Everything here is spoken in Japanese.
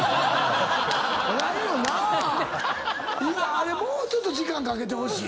あれもうちょっと時間かけてほしい。